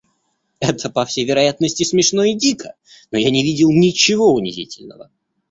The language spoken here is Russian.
Это, по всей вероятности, смешно и дико, но я не видел ничего унизительного.